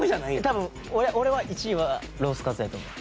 多分俺は１位はロースカツやと思う。